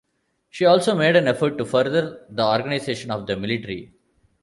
She also made an effort to further the organization of the military.